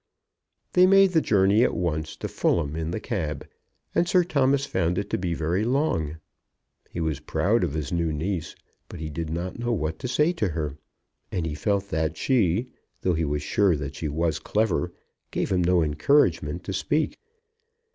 They made the journey at once to Fulham in the cab, and Sir Thomas found it to be very long. He was proud of his new niece, but he did not know what to say to her. And he felt that she, though he was sure that she was clever, gave him no encouragement to speak.